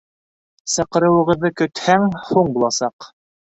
Саҡырыуығыҙҙы көтһәң, һуң буласаҡ.